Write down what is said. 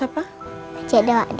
pasti udah lewat